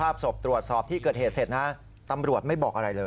แล้วก็ตำรวจก็ยิงตอนตอนนั้นเราตกใจไหม